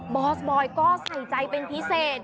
อสบอยก็ใส่ใจเป็นพิเศษ